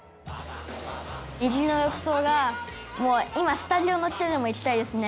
「右の浴槽がもう今スタジオを抜けてでも行きたいですね」